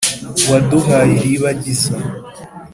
waduhaye iribagiza